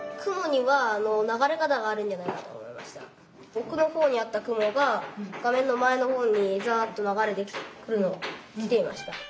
おくのほうにあった雲が画面の前のほうにザッと流れてきていました。